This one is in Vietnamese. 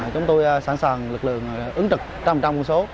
chúng tôi sẵn sàng lực lượng ứng trực trăm trăm quân số